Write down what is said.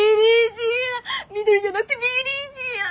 緑じゃなくてビリジアン。